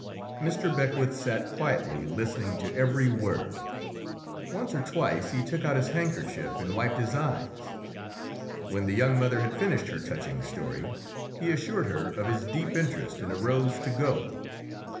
Mr. Beckwith sat quietly listening to every word. Once or twice he took out his handkerchief and wiped his eyes. When the young mother had finished her touching story, he assured her of his deep interest and arose to go.